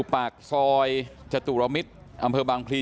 ปากซอยจตุรมิตรอำเภอบางพลี